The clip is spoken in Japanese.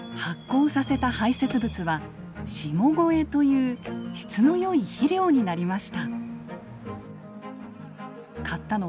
発酵させた排せつ物は「下肥」という質の良い肥料になりました。